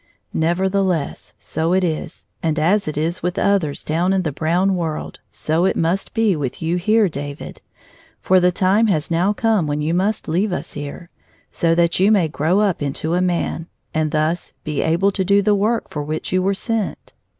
Nevertheless, so it is, and as it is with others down in the brown world, so it must be with you here, David. For the time has now come when you must leave us here, so that you may grow up into a man, and thus be able to do the work for which you were sent."